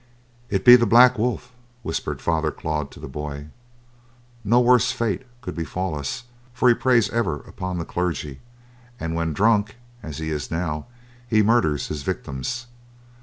"If it be The Black Wolf," whispered Father Claude to the boy, "no worse fate could befall us for he preys ever upon the clergy, and when drunk, as he now is, he murders his victims.